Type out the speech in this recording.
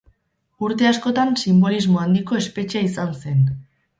Urte askotan sinbolismo handiko espetxea izan zen.